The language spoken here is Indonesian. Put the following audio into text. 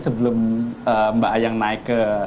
sebelum mbak ayang naik ke